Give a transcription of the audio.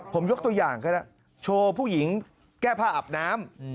ผมยกตัวอย่างก็ได้โชว์ผู้หญิงแก้ผ้าอาบน้ำ